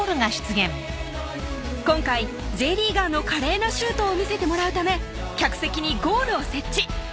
今回Ｊリーガーの華麗なシュートを見せてもらうため客席にゴールを設置